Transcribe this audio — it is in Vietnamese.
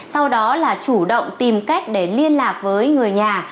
sau đó là chủ động tìm cách để liên lạc với người nhà